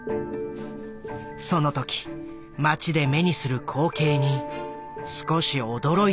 その時街で目にする光景に少し驚いたという。